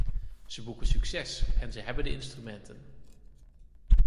Ze boeken succes en ze hebben de instrumenten.